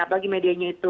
apalagi medianya itu